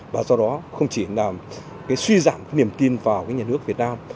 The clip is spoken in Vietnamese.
và do đó không chỉ là suy giảm niềm tin vào nhà nước việt nam